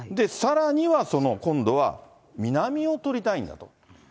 さらには今度は南を取りたいんだと。